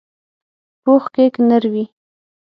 پوخ کیک نر وي